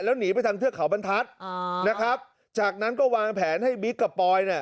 แล้วหนีไปทางเทือกเขาบรรทัศน์นะครับจากนั้นก็วางแผนให้บิ๊กกับปอยเนี่ย